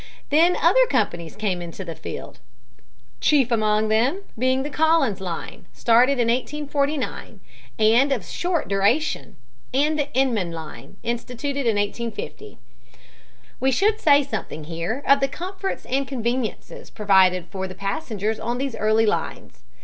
Then other companies came into the field, chief among them being the Collins Line, started in 1849, and of short duration, and the Inman Line, instituted in 1850. We should say something here of the comforts and conveniences provided for the passengers on these early lines.